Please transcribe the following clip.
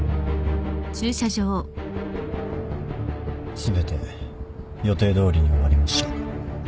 全て予定どおりに終わりました。